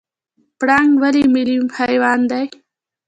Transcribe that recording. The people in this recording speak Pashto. پړانګ ولې ملي حیوان دی؟